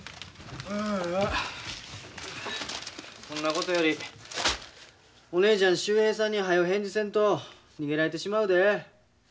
そんなことよりお姉ちゃん秀平さんにはよ返事せんと逃げられてしまうで。